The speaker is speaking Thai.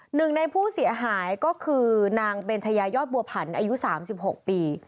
หนึ่งในผู้เสียหายก็คือนางเบนชายายอดบัวผันอายุ๓๖ปี